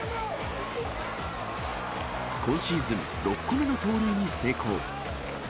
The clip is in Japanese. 今シーズン６個目の盗塁に成功。